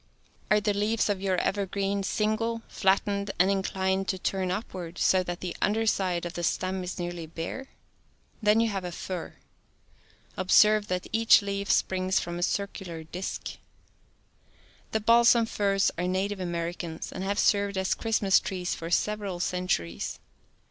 Are the leaves of your evergreen single, flattened, and inclined to turn upward so that the under side of the stem is nearly bare.? Then you have a fir. Observe that each leaf springs from a circular disk. The balsam firs are native Americans, and have served as Christmas trees for several centuries.